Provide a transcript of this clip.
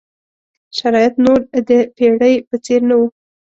شرایط نور د پېړۍ په څېر نه وو.